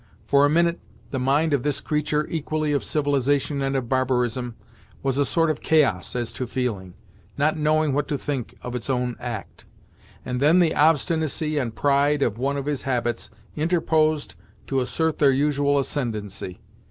For a minute, the mind of this creature equally of civilization and of barbarism, was a sort of chaos as to feeling, not knowing what to think of its own act; and then the obstinacy and pride of one of his habits, interposed to assert their usual ascendency.